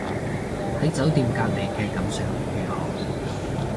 喺酒店隔離嘅感想如何